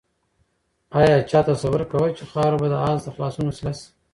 آیا چا تصور کاوه چې خاوره به د آس د خلاصون وسیله شي؟